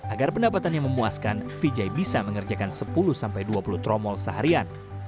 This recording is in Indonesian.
agar pendapatannya memuaskan vijay bisa mengerjakan sepuluh sampai dua puluh tromol seharian